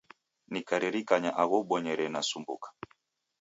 Nikaririkanya agho ubonyere nasumbuka.